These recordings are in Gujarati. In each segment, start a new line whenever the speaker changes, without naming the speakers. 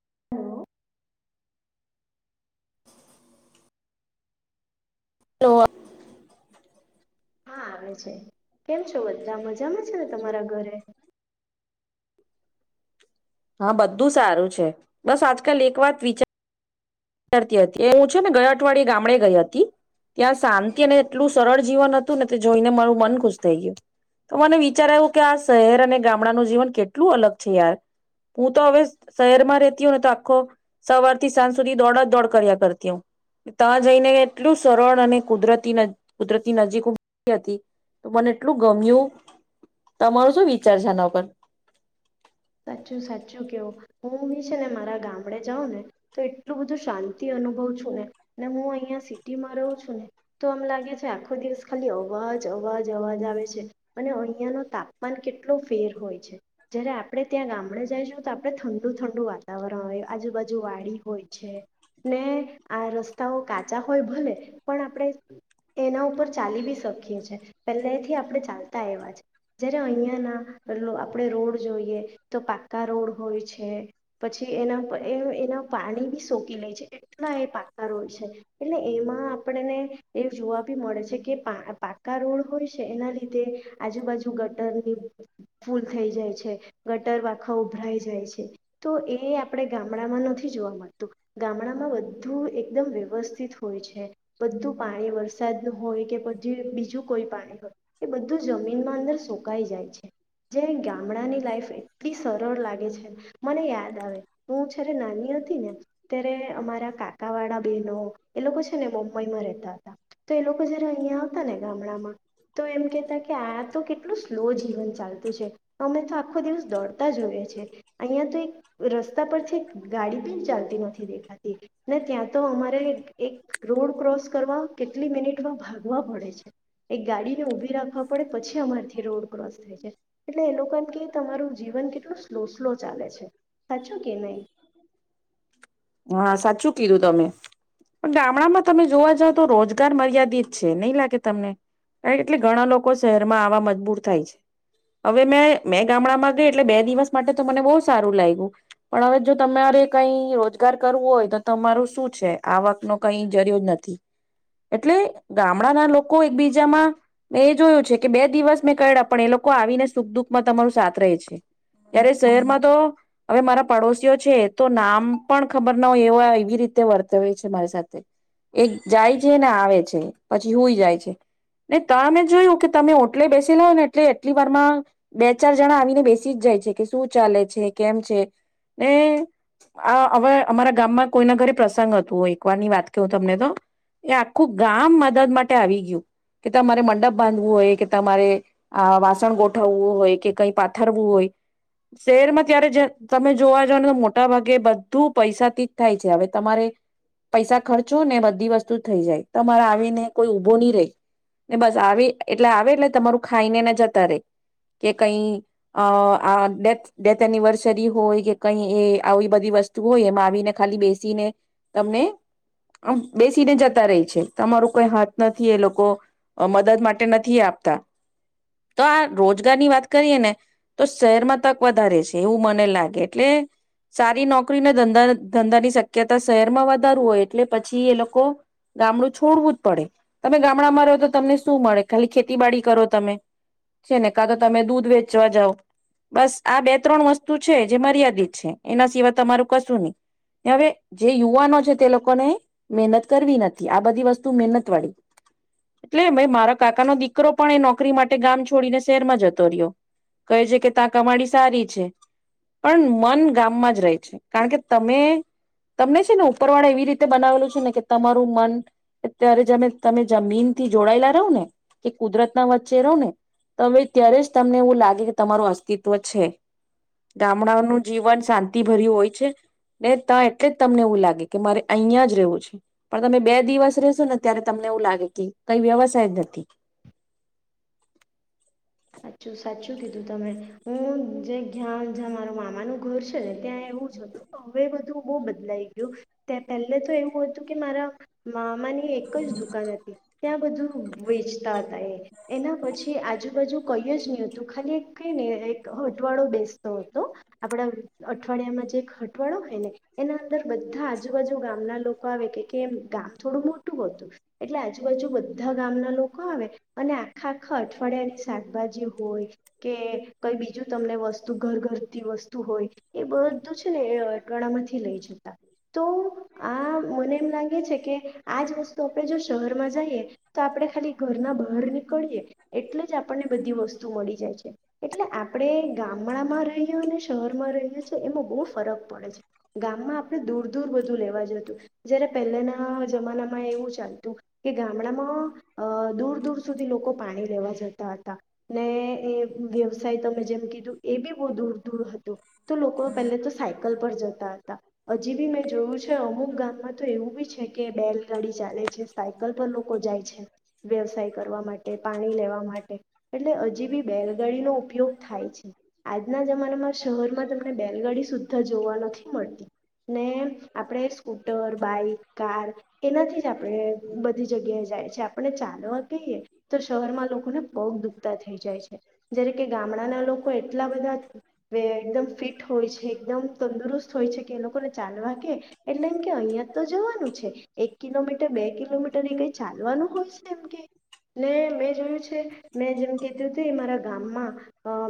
[unintelligible]
જોવા
હા આવે છે. કેમ છો બધા મજામાં છે, ને તમારા ઘરે
હા બધું સારું છે, બસ આજકાલ એક વાત વિચાર ત્યાર હતી હું છે, ને ગયા અઠવાડીય ગામડે ગઈ હતી ત્યાં શાંતિ અને એટલું સરળ જીવન હતું ને તે જોઈને મારું મન ખુશ થઈ ગયું તો મને વિચાર આવ્યું કે આ શહેર અને ગામડાનું જીવન કેટલું અલગ છે, યાર હું તો હવે શહેરમાં રતી હો ને તો આખો સવાર થી સાંજ સુધી દોડત દોડ કર્યા કરતી હ ત્યાં જઈને એટલું સરળ અને કુદરતી કુદરતી નજીક હતી તો મને એટલું ગમ્યું તમારું શું વિચાર છેના ઉપર
સાચું સાચું કેવું હું બી છે ને મારા ગામડે જાઉં ને તો એટલું બધું શાંતિ અનુભવ છું ને અને હું અહંયા સિટીમાં રહું છું ને તો આમ લાગે છે આખો દિવસ ખાલી અવાજ અવાજ અવાજ આવે છે અને અહિયાં ન તાપમાન કેટલું ફેર હોય છે જ્યારે આપણે ત્યાં ગામડે જઈશું તો આપણે ઠંડુ ઠંડુ વાતાવરણ હોય આજુબાજુ વાડી હોય છે ને આ રસ્તાઓ કાચા હોય ભલે પણ આપણે એના ઉપર ચાલી બ શકીએ છીએ પહેલા એથી આપણે ચાલતા એવા છે જ્યારે અહીંયાના આપણે રોડ જોઈએ તો પાકા રોડ હોય છે પછી એના એ એના પાણી બી સોકી લે છે એટલા એ પાકા રોડ છે એટલે એમાં આપડને એ જોવા બી મળે છે કે પા પાકા રોડ હોય છે એના લીધે આજુબાજુ ગટરની ફૂલ થઈ જાય છે. ગટર આખા ઉભરાઈ જાય છે તો એ આપણે ગામડામાં નથી જોવા મળતું ગામડામાં બધું એકદમ વ્યવસ્થિત હોય છે બધું પાણી વરસાદનું હોય કે પછી બીજું કોઈ પાણી હોય એ બધું જમીનમાં અંદર સુકાઈ જાય છે જે ગામડાની લાઈફ એટલી સરળ લાગે છે મને યાદ આવે હું જયારે નાની હતી ને ત્યારે અમારા કાકા વાળા બહેનો એ લોકો છે ને બમ્બઈમાં રહેતા હતા તો એ લોકો જયારે અહિયાં ને ગામડામાં તો એમ કેતા કે આ તો કેટલું સ્લો જીવન ચાલતું છે અમે તો આખો દિવસ દોડતા જો હોએ છે અહીંયા તો એક રસ્તા પરથી ગાડી બી ચાલતી નથી દેખાતી ને ત્યાં તો અમારે એક રોડ ક્રોસ કરવા કેટલી મિનિટમાં ભાગવા પડે છે એક ગાડીને ઉઊભી રાખવા પડે પછી અમારેથી રોડ ક્રોસ થાય છે એટલે એ લોકો એમ કે તમારું જીવન કેટલું સ્લો સ્લો ચાલે છે સાચું કે નહી
હા સાચું કીધું તમે પણ ગામડામાં તમે જોવા જાવ તો રોજગાર મર્યાદિત છે નહી લાગે તમને એટલે ઘણા લોકો શહેરમાં આવા મજબૂર થાય છે હવે મેં મેં ગામડામાં ગઈ એટલે બે દિવસ માટે તો મને બહુ સારું લાગ્યું પણ હવે જો તમારે કઈ સ્વી કરવો હોય તો તમારું શું છે આ વાક ન કઈ જરિયો જ નથી એટલે ગામડાના લોકો એકબીજામાં મે એ જોયું છે કે બે દિવસ મેં ક પણ એ લોકો આવીને સુખ દુખમાં તમારું સાથ રહે છે ત્યારે શહેરમાં તો હવે મારા પડોશીઓ છે તો નામ પણ ખબર ના હો એ એવી રીતે વર્તે હોય છે મારી સાથે એ જાય છે ને આવે છે પછી હોઈ જાય છે ને તમે જોયું કે તમે ઓટલે બેસી લાવો ને એટલે એટલી વારમાં બે ચાર જણા આવીને બેસી જ જાય છે કે શું ચાલે છે કેમ છે ને આ હવે અમારા ગામમાં કોઈના ઘરે પ્રસંગ હતું હોય એકવાર ની વાત કું તમને તો એ આખું ગામ મદદ માટે આવી ગયું કે તમારે મંડપ બાંધવું હોય કે તમારે વાસણ આ ગોઠવવું હોય કે કઈ પાથરવું હોય શહેરમાં ત્યારે તમે જોવા જને તો મોટા ભાગે બધું પૈસાથી જ થાય છે હવે તમારે પૈસા ખર્ચો ને બધી વસ્તુ થઈ જાય તમારે આવીને કોઈ ઊભો નહી રે ને બસ આવે એટલે આવે એટલે તમારું ખાઈને ને જતા રે કે કઈ અ આ ડેથ ડેથ એનિવર્સરી હોય કે કઈ એ આવી બધી વસ્તુ હોય એમ આવીને ખાલી બેસીને તમને બેસીને જતા રહી છે તમારું કોઈ હાથ નથી એ લોકો મદદ માટે નથી આપતા તો આ રોજગારની વાત કરીએ ને તો શહેરમાં તક વધારે છે એવું મને લાગે એટલે સારી નોકરી નોકરી ધંધાની શક્યતા શહેરમાં વધારું હોય એટલે પછી એ લોકો ગામડું છોડવું જ પડે તમે ગામડામાં રહો તો તમને શું મળે ખાલી ખેતીબડી કરો તમે છેને કા તો તમે દૂધ વેચવા જાવ બસ આ બે ત્રણ વસ્તુ છે જે મર્યાદિત છે એના સિવાય તમારું કશું નહી હવે જે યુવાનો છે તે લોકોને મહેનત કરવી નથી આ બધી વસ્તુ મહેનત વાળી એટલે ભાઈ મારો કાકાનો દીકરો પણ એ નોકરી માટે ગામ છોડીને શહેરમાં જતો રહ્યો કહે છે કે તાં કમાડી સારી છે પણ મન ગામમાં જ ર કારણ કે તમે તમને છે ને ઉપર વાળા એવી રીતે બનાવેલું છે ને કે તમારું મન અત્યારે તમે જમીન થી જોડાયેલા રહો ને કે કુદરત ના વચ્ચે રહો ને ત ત્યારે જ તમને એવું લાગે કે તમારું અસ્તિત્વ છે ગામડાઓનું જીવન શાંતિ ભર્યું હોય છે ને ત એટલે જ તમને એવું લાગે કે મારે અહિયાં જ રહેવું છે પણ તમે બે દિવસ રશો ને ત્યારે તમને એવું લાગે કે કઈ વ્યવસાય જ નથી
સાચું સાચું કીધું તમે હું જે જ્યાં જ્યાં મારું મામાનું ઘર છે ને ત્યાં એવું જ હતું હવે બધું બહ બદલાઈ ગયું ત્યા પહેલે તો એવું હતું કે મારા મામાની એક જ દુકાન હતી ત્યાં બધું વેચતા હતા એ એના પછી આજુ વધજ કઈ જ નહી હતું ખાલી એક ક ને એક હટવાડો બેસતો હતો, આપડા અઠવાડિયામાં જે એક હટવાડો હોય ને એના અંદર બધા આજુબાજુ ગામના લોકો આવે કેમ થોડું મોટું હતું, એટલે આજુબાજુ બધા ગામના લોકો આવે, અને આખા આખા અઠવાડિયાની શાકભાજી હોય, કે કઈ બીજું તમને વસ્તુ ઘર ઘરતી વસ્તુ હોય, એ બધું છે ને એ અટવાડા માંથી લઈ જતા, તો આ મને એમ લાગે છે કે, આજ વસ્તુ આપણે જો શહેરમાં જઈએ, તો આપણે ખાલી ઘરના ઘર નીકળી એટલે જ આપણને બધી વસ્તુ મળી જાય છે, એટલે આપણે ગામડામાં રહીએ અને શહેરમાં રહીએ એમાં બહુ ફરક પડે છે. ગામમાં આપણે દૂર દૂર બધું લેવા જતું, જયારે પહેલાના જમાનામાં એવું ચાલતું, કે ગામડામાં અ દૂર દૂર સુધી લોકો પાણી લેવા જતા. હતા, ને એ વ્યવસાય તમે જેમ કીધું એ બી બહુ દૂર દૂર હતું. તો લોકો પહેલે તો સાયકલ પર જતા હજી બી મેં જોયું છે અમુક ગામમાં તો એવું બી છે કે બેલગાડી ચાલે છે સાયકલ પર લોકો જાય છે, વ્યવસાય કરવા માટે પાણી લેવા માટે. એટલે હજી બી બેલગાડીનો ઉપયોગ થાય છે, આજના જમાનામાં શહેરમાં તમને બેલગાડી સુધી જોવા નથી મળતી, ને આપણે સ્કૂટર બાઈક કાર એનાથી જ આપણે બધી જગ્યાએ જાય છે આપણે ચાલવા કહીએ, તો શહેરમાં લોકોને દુખતા થઈ જાય છે, જકે ગામડાના લોકો એટલા બધા એકમ ફિટ હોય છે એકમ તંદુરસ્ત હોય છે કે એ લોકોને ચાલવા કે. એટલે એમ કે અહિયાં તો જવાનું છે, એક કિલોમીટર બે કિલોમીટર એ કઈ ચાલવાનું હોય છે એમ કે. ને મેં જોયું છે મેં જેમ કેતી હતું એ મારા ગામમાં,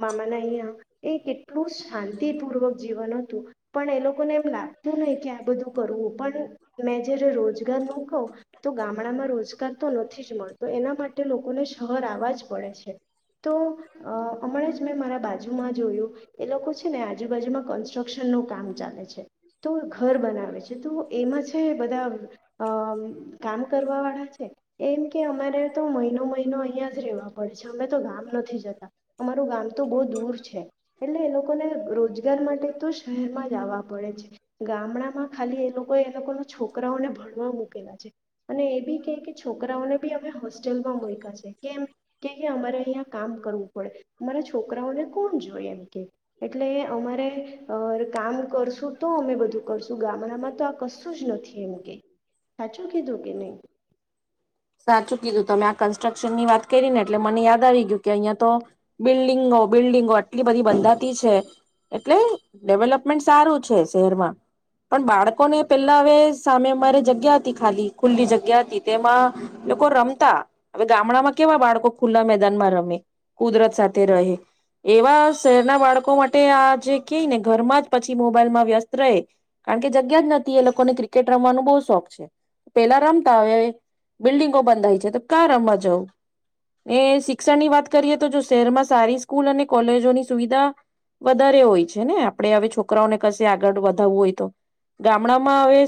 મામાના અહીંયા એ કેટલું શાંતિપૂર્વક જીવન હતું, પણ એ લોકોને એમ લાગતું નહ કે આ બધું કરવું પણ મેં જયારે રોજગાર ન કહું, તો ગામડામાં રોજગાર તો નથી જ મળતો એના માટે લોકોને શહર આવા જ પડે છે. હમણાં જ મેં મારા બાજુમાં જોયું, એ લોકો છે ને આજુબાજુમાં કન્સ્ટ્રક્શનનું કામ ચાલે છે, તો ઘર બનાવે છે તો એમાં છે બધા કામ કરવાવાળા છે, એમ કે અમારે તો મહિનો મહિનો અહીંયા જ રહેવા અમે તો ગામ નથી જતા. અમારું ગામ તો બહુ દૂર છે, એટલે એ લોકોને રોજગાર માટે તો શહેરમાં જ આવવા પડે છે, ગામડામાં ખાલી એ લોકો એ લોકોના છોકરાઓને ભણવા મૂકેલા છે, અને એ બી કે કે છોકરાઓને બી અમે હોસ્ટેલમાં મુકા છે, કેમ કે અમારે અહિયાં કામ કર ડે અમારા છોકરાઓને કોણ જોય એમ કે, એટલે અમારે અ કામ કરશું તો અમે બધું કરશું ગામડામાં તો આ કશું જ નથી એમ કે, સાચું કીધું કે નહી?
ન્સ્ટ્રક્ન ની વાત કરીને એટલે મને યાદ આવી ગયું કે અહીંયા તો, બિલ્ડિંગો બિલ્ડિંગો આટલી બધી બંધાતી છે, એટલે ડેવલપમેન્ટ સારું છે શહેરમાં, પણ બાળકોને પેલા હવે સામે મારી જગ્યા હતી ખાલી ખુલ્લી જગ્યા હતી તેમાં, લોકો રમતા હવે ગામડામાં કેવા બાળકો ખુલ્લા મેદાનમાં રમે. કુદરત સાથે રહે, એવા શહેરના બાળકો માટે આ જે ક ને ઘરમાં જ પછી મોબાઈલમાં વ્યસ્ત રહે, કારણ કે જગ્યા જ નથી એ લોકોને ક્રિકેટ રમવાનું બહ શોખ છે, પેલા રમતા હ બિલ્ડિંગો બંધાય છે તો ક્યાં રમવા જવું, શિક્ષણની વાત કરીએ તો જો શહેરમાં સારી સ્કૂલ અને કોલેજોની સુવિધા, વધારે હોય છે ને આપડણે હવે છોકરાઓને કશે આગળ વધાવવું હોય તો, ગામડામાં હવે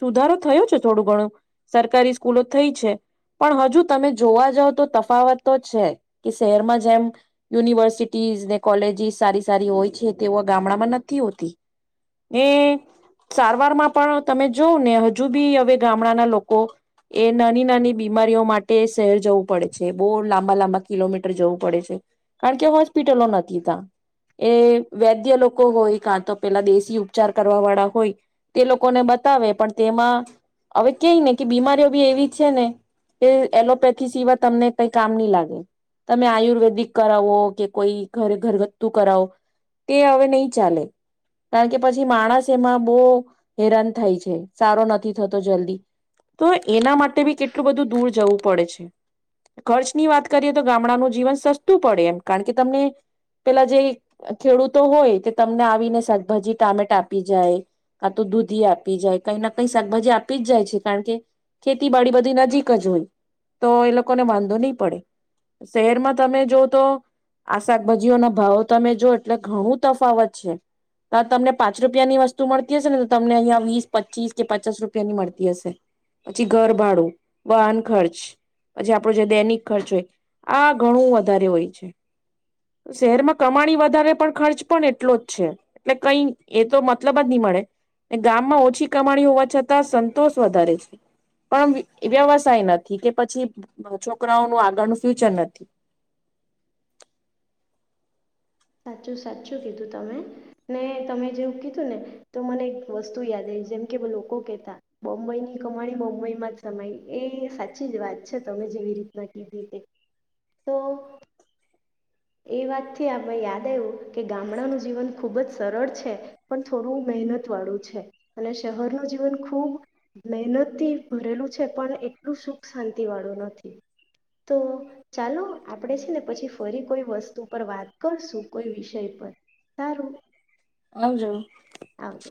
સુધારો થયો છે થોડું ઘણું, સરકારી સ્કૂલો થઈ છે પણ હજુ તમે જોવા જાવ તો તફાવત તો છે. કે શહેરમાં જેમ, યુનિવર્સિટીઝ ને કોલેજીસ સારી સારી હોય છે તેઓ ગામડામાં નથી હોતી, ને સારવારમાં પણ તમે જોવ ને હજુ બી હવે ગામડાના લોકો એ નાની નાની બીમારીઓ માટે શહેર જવું પડે છે બહુ લાંબા લાંબા કિલોમીટર જવું પડે છે, કારણ કે હોસ્પિટલો નથી ત, એ વૈદ્ય લોકો હોય કાં તો પેલા દેશી ઉપચાર કરવા વાળા હોય, તે લોકોને બતાવે પણ તેમાં હવે કય ને કે બીમારીઓ બી એવી છે ને કે, એલોપેથી સિવાય તમને કઈ કામ નહી લાગે. તમે આયુર્વેદિક કરાવો કે કોઈ ઘર ઘરગથ્થું કરાવો તે હવે નહી ચાલે કારણ કે પછી માણસ એમાં બહુ હેરાન થાય છે સારો નથી થતો જલ્દી તો એના માટે બી કેટલું બધું દૂર જવું પડે છે ખર્ચની વાત કરીએ તો ગામડાનું જીવન સસ્તું પડે એમ કારણ કે તમને પેલા જે ખેડૂતો હોય તે તમને, આવીને શાકભાજી ટામેટા આપી જાય, કા તોું દૂધી આપી જાય કઈ ના કઈ શાકભાજી આપી જ જાય છે કારણ કે, ખેતીબડી બધી નજીક જ હોય તો એ લોકોને વાંધો નહીં પડે. શહેરમાં તમે જો તો, આ શાકભાજીઓના ભાવો તમે જો એટલે ઘણું તફાવત છે, તો તમને પાંચ રૂપિયાની વસ્તુ મળતી હશે ને તો તમને અહિયાં વીસ પચીસ કે પચાસ રૂપિયાની મળતી હશે, પછી ઘર ભાડું, વાહન ખર્ચ, પછી આપડો જે દૈનિક ખર્ચ હોય. આ ઘણું વધારે હોય છે, શહેરમાં કમાણી વધારે પણ ખર્ચ પણ એટલો જ છે, એટલે કઈ એ તો મતલબ જ નહી મળે, ગામમાં ઓછી કમાણી હોવા છતાં સંતોષ વધારે છે, પણ વ્યવસાય નથી કે પછી છોકરાઓનું આગળ સુુંચ નથી.
સાચું સાચું કીધું તમે, ને તમે જેવું કીધું ને તો મને એક વસ્તુ યાદ આવી જેમ કે લોકો કેહેતા, બોમ્બઈ ની કમાણી બમ્બઈમાં જ સમાય એ સાચી જ વાત છે, તમે જેવી રીતના કીધી તે તો, એ વાતથી ભાઈ યાદ એવું કે ગામડાનું જીવન ખૂબ જ સરળ છે પણ થોડું મહેનતવાળું છે અને શહેરનું જીવન ખૂબ મહેનતથી ભરેલું છે પણ એટલું સુખ શાંતિવાળું નથી તો ચાલો આપણે છે ને પછી ફરી કોઈ વસ્તુ પર વાત કરશું કોઈ વિષય પર સારું
આવજો
આવજો